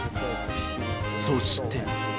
そして。